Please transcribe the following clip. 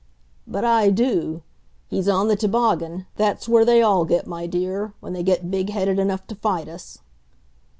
"But I do. He's on the toboggan; that's where they all get, my dear, when they get big headed enough to fight us."